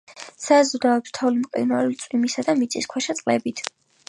საზრდოობს თოვლის, მყინვარული, წვიმისა და მიწისქვეშა წყლებით.